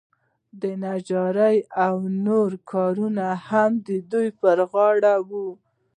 نجاري او نور کارونه هم د دوی په غاړه وو.